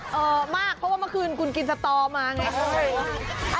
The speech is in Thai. เพราะว่าเมื่อคืนคุณกินสตอร์มาไง